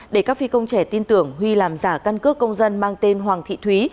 để các phi công trẻ tin tưởng huy làm giả căn cước công dân mang tên hoàng thị thúy